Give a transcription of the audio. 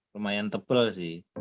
lumayan tebal sih